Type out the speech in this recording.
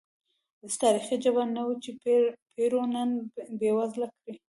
هېڅ تاریخي جبر نه و چې پیرو نن بېوزله کړي.